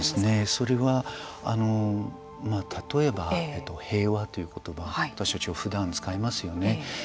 それは、例えば平和という言葉私たちはふだん、使いますよね。